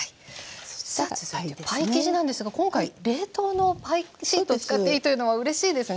さあ続いてはパイ生地なんですが今回冷凍のパイシート使っていいというのはうれしいですね。